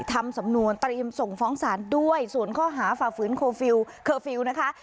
ทำสำนวนตรีมส่งฟ้องสารด้วยส่วนข้อหาฝ่าฝืนนะคะ